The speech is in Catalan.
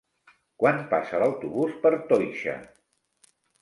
Quan passa l'autobús per Toixa?